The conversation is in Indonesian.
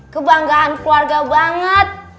kebanggaan keluarga banget